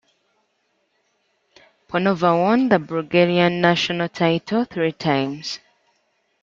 Panova won the Bulgarian national title three times.